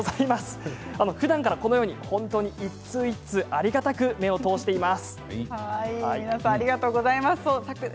ふだんからこのように本当に一通一通ありがたく目を通しています。